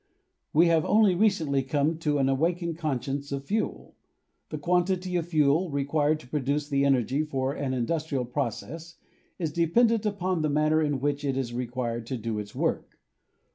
We have only recently come to an awakened conscience of fuel. The quantity of fuel required to produce the energy for an industrial process is dependent upon the manner in which it is required to do its work.